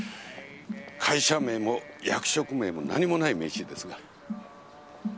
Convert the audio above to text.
会社名も役職名も何もない名刺ですが。